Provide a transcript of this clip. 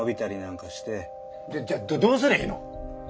じゃじゃあどうすりゃいいの？